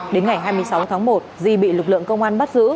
đến ngày hai mươi sáu tháng một di bị lực lượng công an bắt giữ